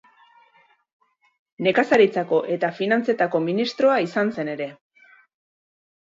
Nekazaritzako eta finantzetako ministroa izan zen ere.